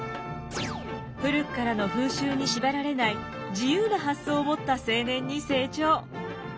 古くからの風習に縛られない自由な発想を持った青年に成長。